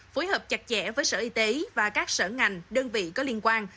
phối hợp chặt chẽ với sở y tế và các sở ngành đơn vị có liên quan